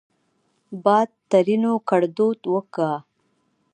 باد؛ ترينو ګړدود وګا